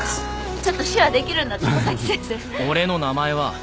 ちょっと手話できるんだった佐々木先生。